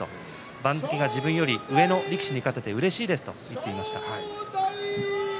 番付が自分より上の力士に勝ててうれしいですと言っていました。